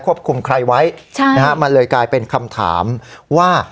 คุมใครไว้ใช่นะฮะมันเลยกลายเป็นคำถามว่า